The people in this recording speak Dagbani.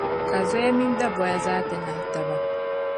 ka zoya mini daboya zaa ti nahi taba.